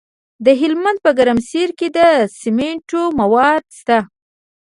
د هلمند په ګرمسیر کې د سمنټو مواد شته.